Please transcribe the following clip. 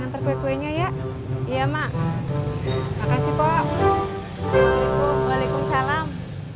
antar kue kuenya ya iya mak makasih pak waalaikumsalam